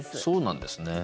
そうなんですね。